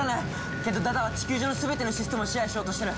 けどダダは地球上のすべてのシステムを支配しようとしてる！